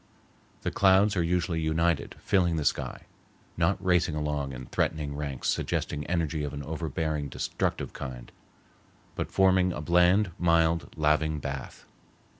The clouds are usually united, filling the sky, not racing along in threatening ranks suggesting energy of an overbearing destructive kind, but forming a bland, mild, laving bath.